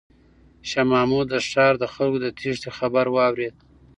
شاه محمود د ښار د خلکو د تیښتې خبر واورېد.